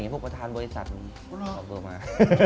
พวกประธานบริษัทเอาตัวมา